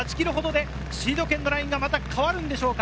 シード権のラインが変わるのでしょうか。